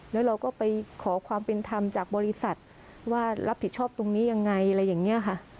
แล้วเราก็ไปขอความเป็นธรรมจากบริษัทว่ารับผิดชอบตรงนี้ยังไงอะไรอย่างนี้ค่ะ